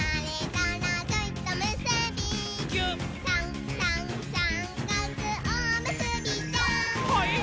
「さんさんさんかくおむすびちゃん」はいっ！